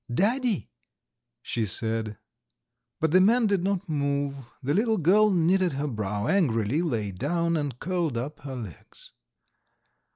"Daddy," she said. But the man did not move. The little girl knitted her brow angrily, lay down, and curled up her legs.